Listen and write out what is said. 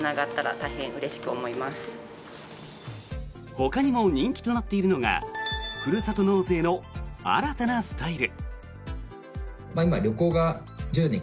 ほかにも人気となっているのがふるさと納税の新たなスタイル。